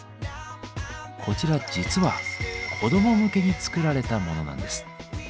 こちらは実は子ども向けに作られたものなんです。